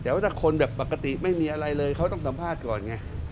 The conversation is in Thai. แต่ว่าถ้าคนแบบปกติไม่มีอะไรเลยเขาต้องสัมภาษณ์ก่อนไง